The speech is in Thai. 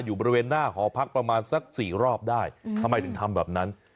อยู่บริเวณหน้าหอพักประมาณสัก๔รอบได้ทำไมถึงทำแบบนั้น